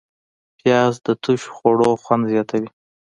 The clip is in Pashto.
پیاز د تشو خوړو خوند زیاتوي